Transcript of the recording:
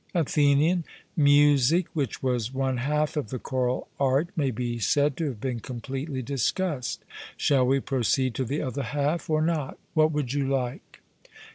ATHENIAN: Music, which was one half of the choral art, may be said to have been completely discussed. Shall we proceed to the other half or not? What would you like?